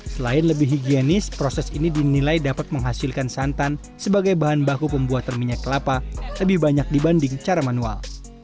selain lebih higienis proses ini dinilai dapat menghasilkan santan sebagai bahan baku pembuatan minyak kelapa lebih banyak dibanding cara manual